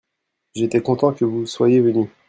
j'étais content que vous soyiez venu.